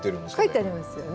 書いてありますよね。